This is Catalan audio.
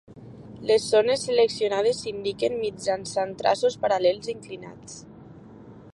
Les zones seccionades s'indiquen mitjançant traços paral·lels inclinats.